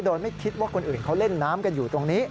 โดยไม่คิดว่าคนอื่นเขาเล่นน้ำกันอยู่ตรงนี้